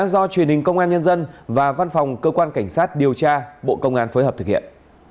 do truyền hình công an nhân dân và văn phòng cơ quan cảnh sát điều tra bộ công an phối hợp thực hiện